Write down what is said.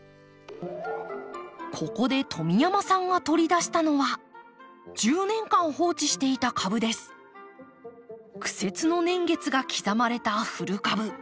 ここで富山さんが取り出したのは苦節の年月が刻まれた古株。